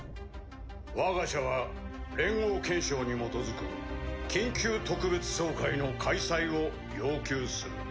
我が社は連合憲章に基づく緊急特別総会の開催を要求する。